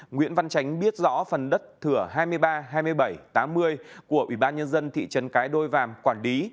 nguyễn văn tránh biết rõ phần đất thửa hai mươi ba hai mươi bảy tám mươi của ủy ban nhân dân thị trấn cái đôi vàm quản lý